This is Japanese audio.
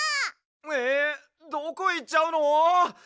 えどこいっちゃうの！？